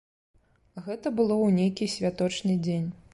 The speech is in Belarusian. Гэта было ў нейкі святочны дзень.